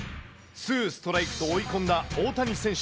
ツーストライクと追い込んだ大谷選手。